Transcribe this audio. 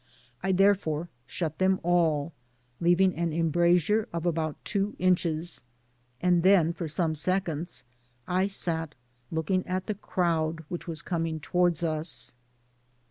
I therefore shut them all, leaving an embrasure of about two inches, and then for some seconds I sat looking at the crowd which was coming towards us. Digitized byGoogk THE PAMPAS.